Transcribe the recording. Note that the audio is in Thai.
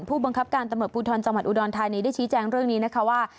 ผู้บังคับการตำรวจภูทรจังหวัดอุดรธานีได้ชี้แจงเรื่องนี้นะคะว่า